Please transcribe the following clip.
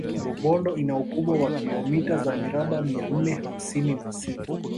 Rubondo ina ukubwa wa kilomita za mraba mia nne hamsini na sita